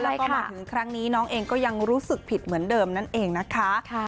แล้วก็มาถึงครั้งนี้น้องเองก็ยังรู้สึกผิดเหมือนเดิมนั่นเองนะคะ